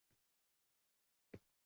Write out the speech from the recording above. Doim meni qo‘llab turadi.